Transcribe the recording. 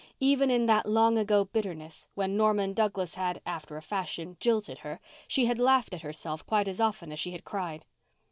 Even in that long ago bitterness, when Norman Douglas had, after a fashion, jilted her, she had laughed at herself quite as often as she had cried.